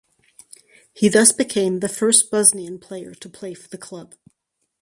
He thus became the first Bosnian player to play for the club.